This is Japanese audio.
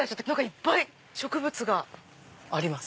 いっぱい植物が。あります。